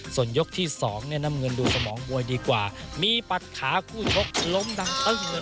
ส่วนยกที่สองเนี่ยน้ำเงินดูสมองมวยดีกว่ามีปัดขาคู่ชกล้มดังตึ้งเลย